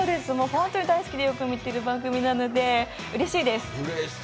本当に大好きでよく見ている番組なので、うれしいです。